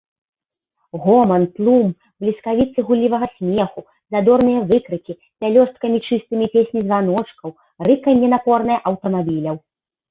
Гоман, тлум, бліскавіцы гуллівага смеху, задорныя выкрыкі, пялёсткамі чыстымі песні званочкаў, рыканне напорнае аўтамабіляў.